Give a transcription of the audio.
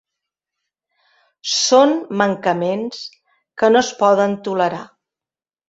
Són mancaments que no es poden tolerar.